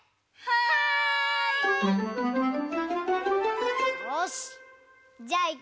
はい！